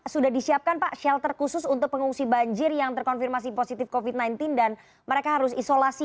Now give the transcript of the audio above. sudah disiapkan pak shelter khusus untuk pengungsi banjir yang terkonfirmasi positif covid sembilan belas dan mereka harus isolasi